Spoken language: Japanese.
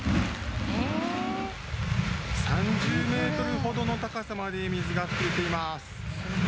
３０メートルほどの高さまで水が噴き出ています。